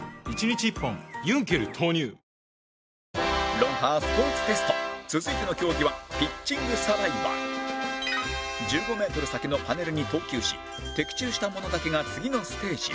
『ロンハー』スポーツテスト続いての競技は１５メートル先のパネルに投球し的中した者だけが次のステージへ